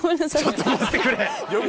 ちょっと待ってくれ！